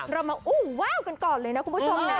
เรามาอู้ว้าวกันก่อนเลยนะคุณผู้ชมนะ